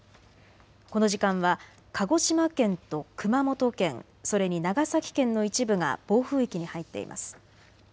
この時間は鹿児島県と熊本県、それに長崎県の一部が暴風域に入っています。